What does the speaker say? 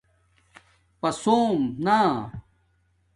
پسُوم نݴ